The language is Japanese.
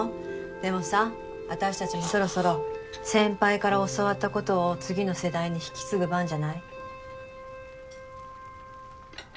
でもさぁ私たちもそろそろ先輩から教わったことを次の世代に引き継ぐ番じゃない？